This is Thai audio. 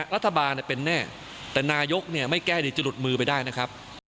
รัฐบาลเป็นแน่แต่นายกไม่แก้จะหลุดมือไปได้นะครับ